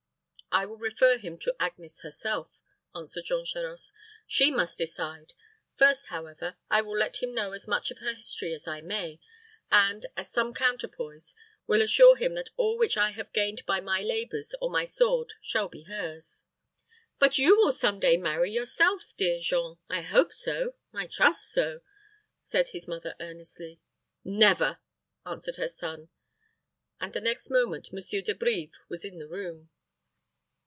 "I will refer him to Agnes herself," answered Jean Charost. "She must decide. First, however, I will let him know as much of her history as I may, and, as some counterpoise, will assure him that all which I have gained by my labors or my sword shall be hers." "But you will some day marry, yourself, deal Jean I hope, I trust so," said his mother, earnestly. "Never!" answered her son; and the next moment Monsieur De Brives was in the room.